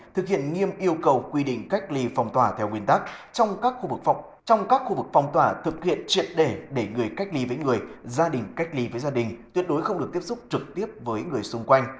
thực hiện nghiêm yêu cầu quy định cách ly phòng tòa theo nguyên tắc trong các khu vực phòng tòa thực hiện triệt để để người cách ly với người gia đình cách ly với gia đình tuyệt đối không được tiếp xúc trực tiếp với người xung quanh